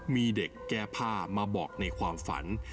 มีเด็กแก้ผ้ามาบอกในความฝัน